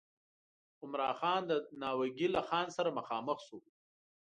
عمرا خان د ناوګي له خان سره مخامخ شو.